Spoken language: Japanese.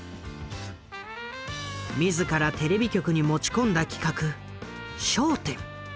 自らテレビ局に持ち込んだ企画「笑点」。